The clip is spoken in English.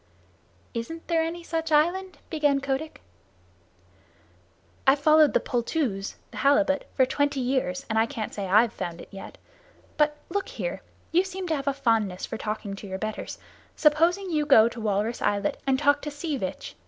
"Isn't there any such island?" began Kotick. "I've followed the poltoos [the halibut] for twenty years, and I can't say I've found it yet. But look here you seem to have a fondness for talking to your betters suppose you go to Walrus Islet and talk to Sea Vitch.